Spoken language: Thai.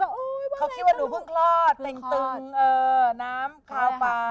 เขาคิดว่าหนูพึ่งรอดเตรียงตึงน้ำคาวป่าว